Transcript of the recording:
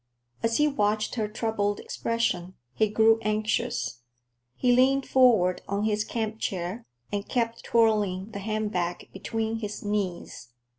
As he watched her troubled expression, he grew anxious. He leaned forward on his camp chair, and kept twirling the handbag between his knees.